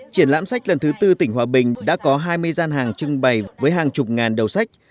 triển lãm sách lần thứ tư tỉnh hòa bình đã có hai mươi gian hàng trưng bày với hàng chục ngàn đầu sách